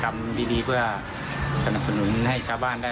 ก็มีเขามาช่วยด้วยอะไรด้วย